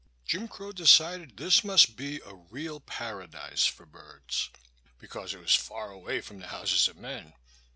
Jim Crow decided this must be a real paradise for birds, because it was far away from the houses of men.